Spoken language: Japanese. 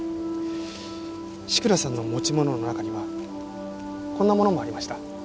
志倉さんの持ち物の中にはこんなものもありました。